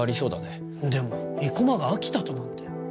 でも生駒が秋田となんて。